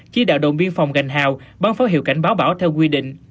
chỉ đạo đội biên phòng gành hào bán pháo hiệu cảnh báo bão theo quy định